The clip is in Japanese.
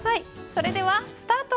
それではスタート！